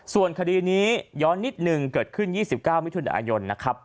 ส่วนคดีนี้ย้อนนิดนึงเกิดขึ้น๒๙มิถุนายนนะครับ